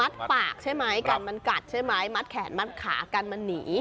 ปากใช่ไหมกันมันกัดใช่ไหมมัดแขนมัดขากันมันหนี